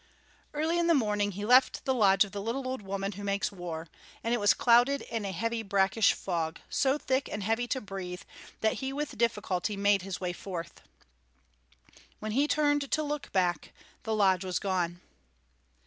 Early in the morning he left the lodge of the Little Old Woman Who Makes War, and it was clouded in a heavy brackish fog, so thick and heavy to breathe that he with difficulty made his way forth. When he turned to look hack, the lodge was gone.